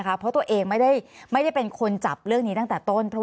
เพราะตัวเองไม่ได้เป็นคนจับเรื่องนี้ตั้งแต่ต้น